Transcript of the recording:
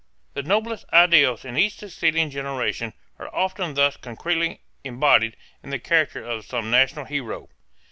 The noblest ideals in each succeeding generation are often thus concretely embodied in the character of some national hero.